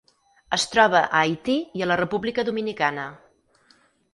Es troba a Haití i a la República Dominicana.